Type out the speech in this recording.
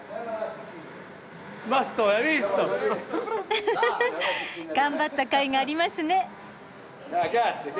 うふふふ頑張ったかいがありますね。